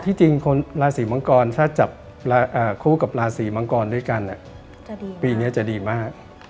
จริงคนราศีมังกรถ้าจับคู่กับราศีมังกรด้วยกันปีนี้จะดีมาก